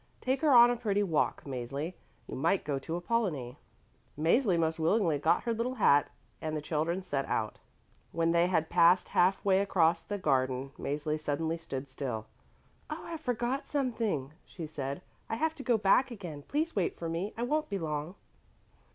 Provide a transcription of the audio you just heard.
Take her on a pretty walk, Mäzli. You might go to Apollonie." Mäzli most willingly got her little hat, and the children set out. When they had passed half way across the garden Mäzli suddenly stood still. "Oh, I forgot something," she said. "I have to go back again. Please wait for me, I won't be long."